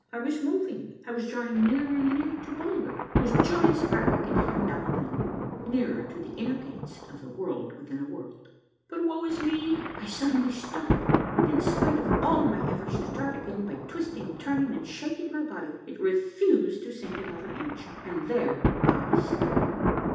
I was moving, I was drawing nearer and nearer to Bulger, whose joyous bark I could hear now and then, nearer to the inner gates of the World Avithin a W orld 1 But woe is me ! I suddenly stop, and in spite of all my efforts to start again by twisting, turning, and shaking my body, it refused to sink another inch, and there I stick.